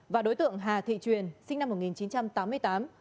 và đối tượng hà thị truyền sinh năm một nghìn chín trăm tám mươi tám